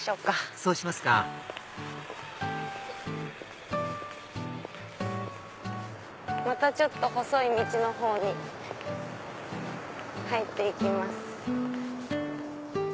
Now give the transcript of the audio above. そうしますかまたちょっと細い道のほうに入って行きます。